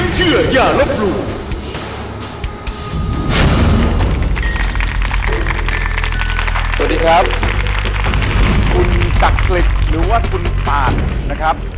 สวัสดีครับคุณศักดิ์กฤษหรือว่าคุณปานนะครับ